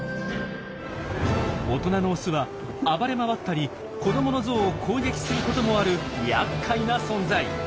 大人のオスは暴れ回ったり子どものゾウを攻撃することもあるやっかいな存在。